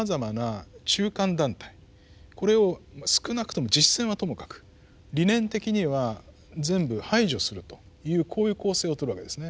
これを少なくとも実践はともかく理念的には全部排除するというこういう構成をとるわけですね。